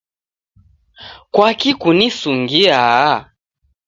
Kwaki kunisungiaa?